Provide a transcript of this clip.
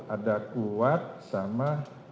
ada kuat sama